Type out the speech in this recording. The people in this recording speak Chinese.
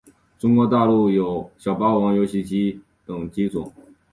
中国大陆则有小霸王游戏机等机种。